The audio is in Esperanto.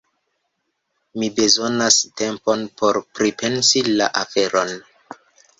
Mi bezonas tempon por pripensi la aferon.